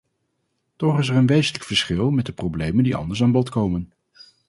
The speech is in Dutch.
Toch is er een wezenlijk verschil met de problemen die anders aan bod komen.